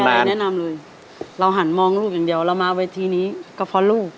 แนะนำเลยเราหันมองลูกอย่างเดียวเรามาเวทีนี้ก็เพราะลูก